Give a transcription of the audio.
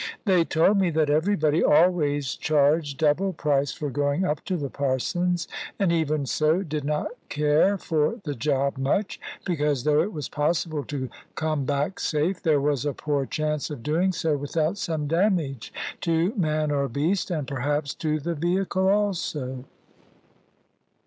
They told me that everybody always charged double price for going up to the Parson's, and even so did not care for the job much. Because, though it was possible to come back safe, there was a poor chance of doing so without some damage to man or beast, and perhaps to the vehicle also.